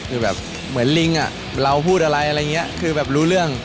คือแบบเหมือนลิงอ่ะเราพูดอะไรอะไรอย่างนี้คือแบบรู้เรื่อง